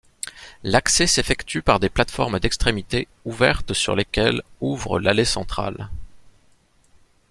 L'accès s'effectue par des plateformes d'extrémité ouvertes sur lesquelles ouvre l'allée centrale.